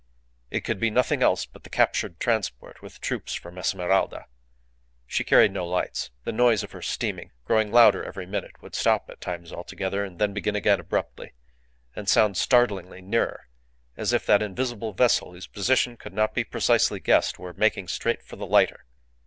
It could be nothing else but the captured transport with troops from Esmeralda. She carried no lights. The noise of her steaming, growing louder every minute, would stop at times altogether, and then begin again abruptly, and sound startlingly nearer; as if that invisible vessel, whose position could not be precisely guessed, were making straight for the lighter.